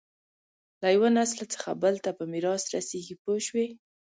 له یوه نسل څخه بل ته په میراث رسېږي پوه شوې!.